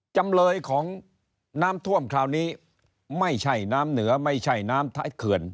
จำเลยของน้ำท่วมคราวนี้ไม่ใช่น้ำเหนือไม่ใช่น้ำท้ายเขื่อน